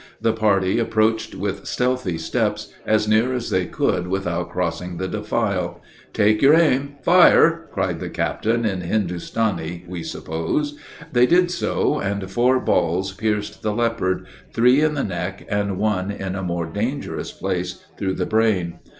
The party approached with stealthy steps, as near as they could without crossing the defile. "Take your aim! fire!" cried the captain, in Hindostanee, we suppose. They did so, and four balls pierced the leopard, three in the neck and one in a more dangerous place, through the brain.